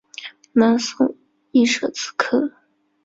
南宋亦设此科。